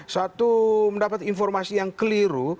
satu mendapat informasi yang keliru